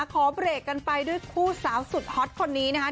ขอเบรกกันไปด้วยคู่สาวสุดฮอตคนนี้นะคะ